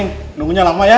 nunggu nya lama ya